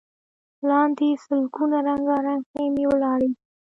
لاندې سلګونه رنګارنګ خيمې ولاړې وې.